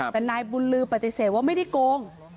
แต่นายบุญลือปฏิเสธว่าไม่ได้โกง